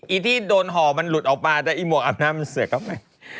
ที่โดนห่อมันหลุดออกมาแต่อีหวกอาบน้ำมันเสือกเข้าไป